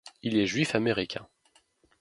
Il est juif américain.